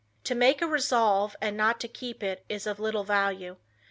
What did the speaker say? To make a resolve and not to keep it is of little value.